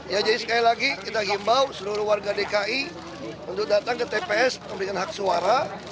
ya jadi sekali lagi kita himbau seluruh warga dki untuk datang ke tps memberikan hak suara